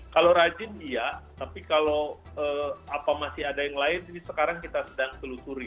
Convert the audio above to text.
kalau rajin iya tapi kalau apa masih ada yang lain ini sekarang kita sedang telusuri